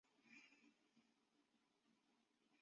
本节介绍拉祜纳方言语音。